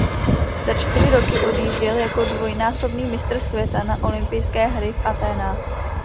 Za čtyři roky odjížděl jako dvojnásobný mistr světa na olympijské hry v Athénách.